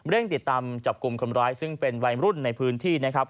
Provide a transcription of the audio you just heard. ติดตามจับกลุ่มคนร้ายซึ่งเป็นวัยรุ่นในพื้นที่นะครับ